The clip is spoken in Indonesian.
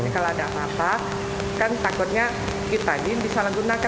kalau ada apa apa kan takutnya kita bisa menggunakan